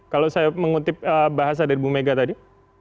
kalau saya mengutip bahasa dari bu mega tadi